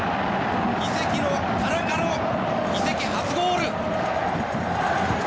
移籍の田中の移籍初ゴール。